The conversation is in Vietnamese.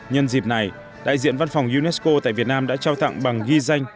nhân dịp này đại diện văn phòng unesco tại việt nam đã trao tặng bằng ghi danh